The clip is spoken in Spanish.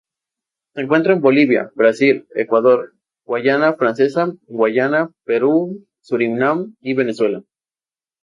Se encuentra en Bolivia, Brasil, Ecuador, Guayana Francesa, Guyana, Perú, Surinam y Venezuela.